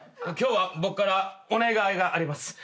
今日は僕からお願いがあります。